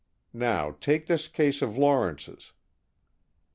Now take this case of Lawrence's."